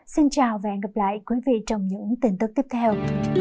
xin chào và hẹn gặp lại quý vị trong những tin tức tiếp theo